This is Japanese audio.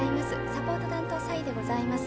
サポート担当蔡でございます。